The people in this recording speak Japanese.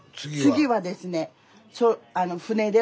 次はですね